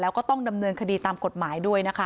แล้วก็ต้องดำเนินคดีตามกฎหมายด้วยนะคะ